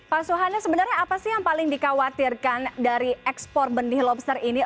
pak suhana sebenarnya apa sih yang paling dikhawatirkan dari ekspor benih lobster ini